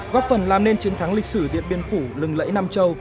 góp phần làm nên chiến thắng lịch sử điện biên phủ lừng lẫy nam châu